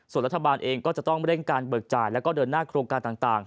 ส่วนรัฐบาลเองก็จะต้องเร่งการเบิกจ่ายแล้วก็เดินหน้าโครงการต่าง